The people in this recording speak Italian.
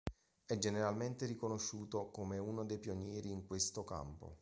È generalmente riconosciuto come uno dei pionieri in questo campo.